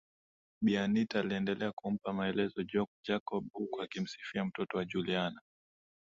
Bi Anita aliendelea kumpa maelezo Jacob huku akimsifia mtoto wa Juliana